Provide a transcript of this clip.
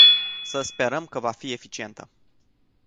Să sperăm că va fi eficientă.